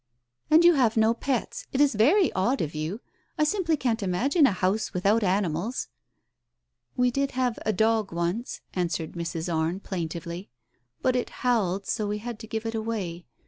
"And you have no pets! It is very odd of you. I simply can't imagine a house without animals I " "We did have a dog once," answered Mrs. Arne plaintively, "but it howled so we had to give it away.